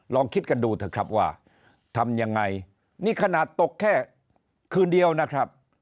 ลองคิดกันดูเถอะครับว่าทำยังไงนี่ขนาดตกแค่คืนเดียวนะครับ